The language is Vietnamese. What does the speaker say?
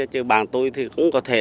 chứ bạn tôi thì cũng có thể